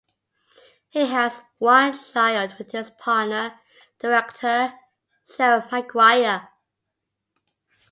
He has one child with his partner, director Sharon Maguire.